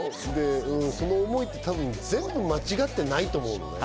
その思いって全部間違ってないと思うのね。